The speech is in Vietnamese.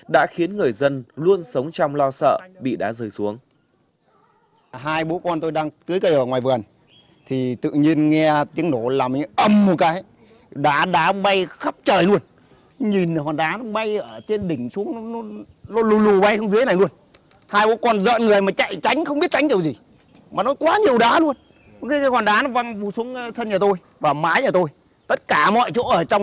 đã khiến người dân luôn sống trong lo sợ bị đá rơi xuống